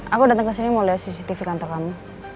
aku dateng kesini mau liat cctv kantor kamu